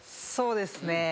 そうですね。